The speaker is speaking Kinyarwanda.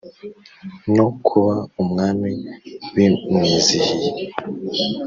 no kuba umwami bimwizihiye